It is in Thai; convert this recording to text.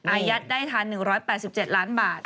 อายัดได้ทัน๑๘๗ล้านบาท